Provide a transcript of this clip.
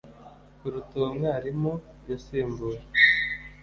kuruta uwomwarimu yasimbuye